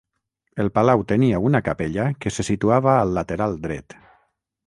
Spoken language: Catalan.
El palau tenia una capella que se situava al lateral dret.